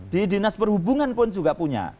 di dinas perhubungan pun juga punya